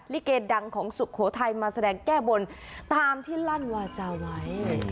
ลิเกดังของสุโขทัยมาแสดงแก้บนตามที่ลั่นวาจาไว้